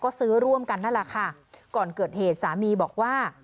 ก็ซื้อร่วมกันนั่นแหละค่ะก่อนเกิดเหตุสามีบอกว่า